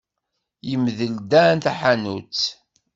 Yemdel Dan taḥanut.